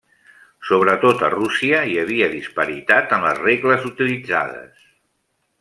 Sobretot a Rússia, hi havia disparitat en les regles utilitzades.